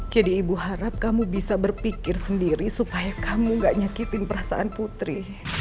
jadi ibu harap kamu bisa berpikir sendiri supaya kamu gak nyakitin perasaan putri